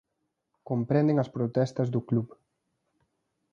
Comprenden as protestas do club.